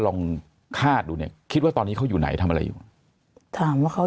ลองคาดดูเนี่ยคิดว่าตอนนี้เขาอยู่ไหนทำอะไรอยู่ถามว่าเขา